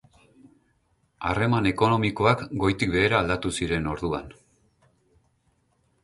Harreman ekonomikoak goitik behera aldatu ziren orduan.